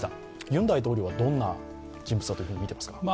ユン大統領はどんな人物だと見ていますか？